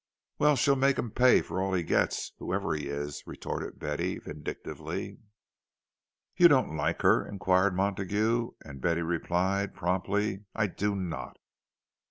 "Well, she'll make him pay for all he gets, whoever he is!" retorted Betty, vindictively. "You don't like her?" inquired Montague; and Betty replied promptly, "I do not!"